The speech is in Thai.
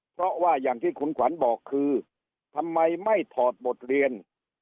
เพราะว่าอย่างที่คุณขวัญบอกคือทำไมไม่ถอดบทเรียน